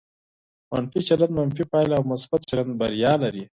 منفي چلند منفي پایله او مثبت چلند بریا لري.